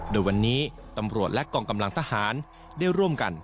โดยวันนี้ตำรวจและกองกำลังทหารได้ร่วมกัน